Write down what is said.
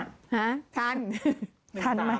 ฮ่าทัน